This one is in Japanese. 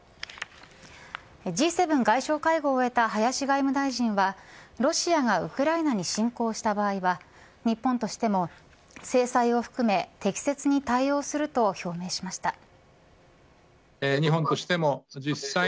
Ｇ７外相会合を終えた林外務大臣はロシアがウクライナに侵攻した場合は日本としても、制裁を含め適切に対応すると表明しました。